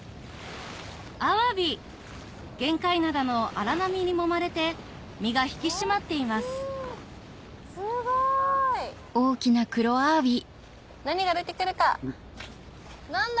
アワビ玄界灘の荒波にもまれて身が引き締まっていますすごい。何が出て来るか何だ？